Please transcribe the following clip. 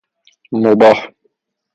مباح